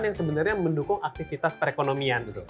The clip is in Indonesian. yang sebenarnya mendukung aktivitas perekonomian